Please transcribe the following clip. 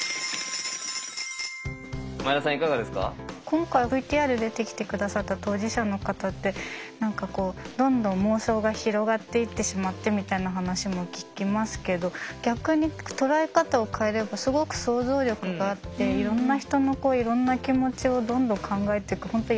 今回ＶＴＲで出てきて下さった当事者の方って何かこうどんどん妄想が広がっていってしまってみたいな話も聞きますけど逆に捉え方を変えればすごく想像力があっていろんな人のいろんな気持ちをどんどん考えていく本当